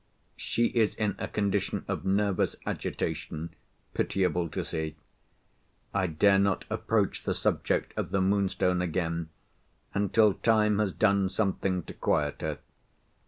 She is in a condition of nervous agitation pitiable to see. I dare not approach the subject of the Moonstone again until time has done something to quiet her.